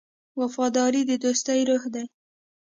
وفاداري د دوستۍ روح دی.